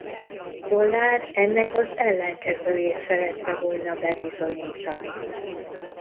Kollár ennek az ellenkezőjét szerette volna bebizonyítani.